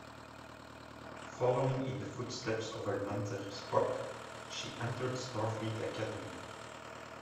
Following in the footsteps of her mentor, Spock, she entered Starfleet Academy.